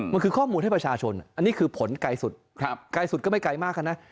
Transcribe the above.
มันคือข้อมูลให้ประชาชนอันนี้คือผลไกลสุดไกลสุดก็ไม่ไกลมากนะ